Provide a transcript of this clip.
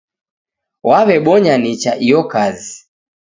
Waw'ebonya nicha iyo kazi.